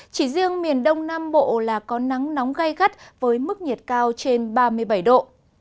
chỉ riêng miền đông nam bộ là có nắng nóng gây gắt với mức nhiệt cao trên ba mươi bảy độ